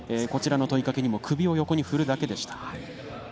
こちらの問いかけにも首を横に振るだけでした。